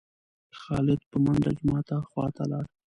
خالد په منډه جومات خوا ته لاړ.